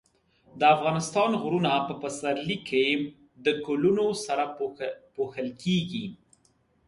د افغانستان غرونه په پسرلي کې د ګلونو سره پوښل کېږي.